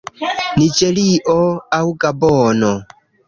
Niĝerio aŭ Gabono.